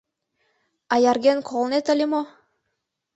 — Аярген колынет ыле мо?